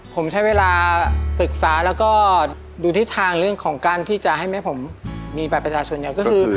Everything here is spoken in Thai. ผมใช้เวลาปรึกษาแล้วก็ดูทิศทางเรื่องของการที่จะให้แม่ผมมีบัตรประชาชนเยอะก็คือ